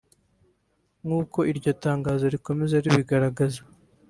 nk'uko iryo tangazo rikomeza ribigaragaza